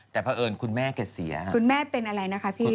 แต่เพราะเอิญคุณแม่แกเสียค่ะคุณแม่เป็นอะไรนะคะพี่